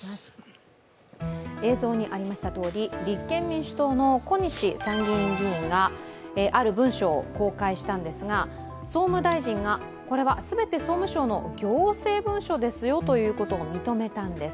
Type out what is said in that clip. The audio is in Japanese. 映像にありましたとおり立憲民主党の小西参議院議員がある文書を公開したんですが、総務大臣がこれは全て総務省の行政文書ですよと認めたんです。